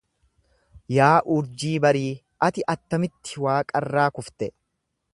Yaa urjii barii, ati attamitti waaqarraa kufte?